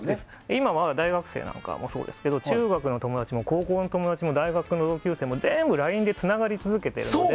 今は大学生なんかもそうですけど中学の友達も高校の友達も大学の同級生も全部ＬＩＮＥでつながり続けてるので。